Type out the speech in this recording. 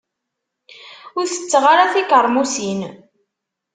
Ur tetteɣ ara tikermusin.